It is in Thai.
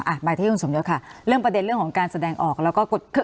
มาที่คุณสมยศค่ะเรื่องประเด็นเรื่องของการแสดงออกแล้วก็กดคือ